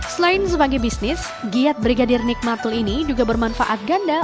selain sebagai bisnis giat brigadir nikmatul ini juga bermanfaat ganda